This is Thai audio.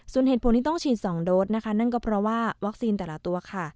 ส่วนเหตุผลที่ต้องฉีด๒โดสนะคะนั่นก็เพราะว่าวัคซีนแต่ละตัวค่ะ